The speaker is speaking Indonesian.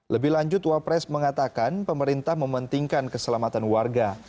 lebih lanjut wakil presiden mengatakan pemerintah mementingkan keselamatan warga